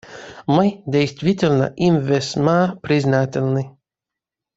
Мы действительно им весьма признательны.